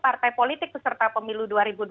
partai politik peserta pemilu dua ribu dua puluh